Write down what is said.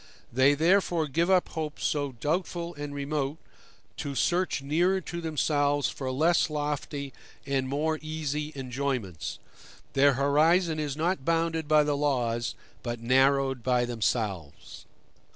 They therefore give up hopes so doubtful and remote, to search nearer to themselves for less lofty and more easy enjoyments. Their horizon is not bounded by the laws but narrowed by themselves.